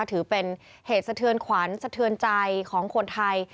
ถือเป็นเหตุสะเทือนขวัญสะเทือนใจของคนไทย